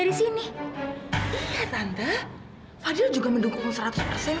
jadi aku disamate uniquenessaat kamu